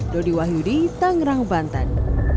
dodi wahyudi tangerang bantan